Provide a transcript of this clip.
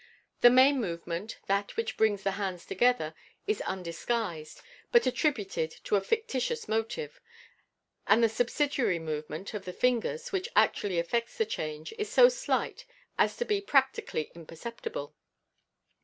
The main movement (that which brings the hands together) is undisguised, but at tributed to a fictitious motive 5 and the subsidiary movement of the fingers, which actually effects the change, is so slight as to be practi cally imperceptible.